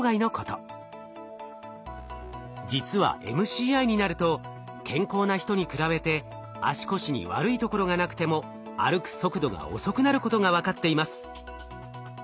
実はＭＣＩになると健康な人に比べて足腰に悪いところがなくても歩く速度が遅くなることが分かっています。